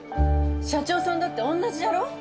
社長さんだって同じじゃろ？